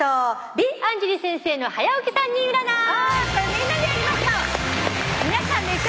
美・アンジェリー先生の「はや起き３人占い」